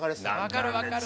分かる分かる。